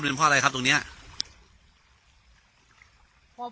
ไปโรงแรมน้ำชีตรงนั้นใช่ไหมครับ